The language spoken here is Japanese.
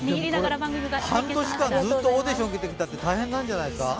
半年間ずっとオーディション受けてきたって大変なんじゃないですか。